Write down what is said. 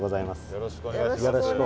よろしくお願いします。